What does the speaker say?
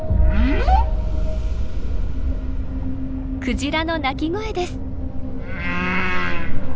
クジラの鳴き声です。